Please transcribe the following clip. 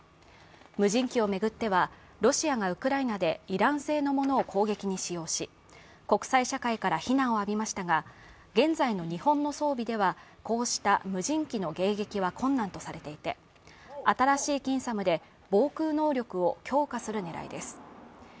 無人機を巡っては、ロシアがウクライナでイラン製のものを攻撃に使用し、国際社会から非難を浴びましたが、現在の日本の装備ではこうした無人機の迎撃は困難とされていて新しい近ＳＡＭで防空能力を強化する狙いです。